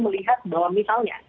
melihat bahwa misalnya